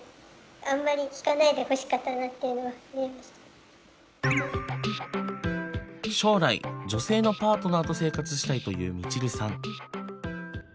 私は別に将来女性のパートナーと生活したいというミチルさん。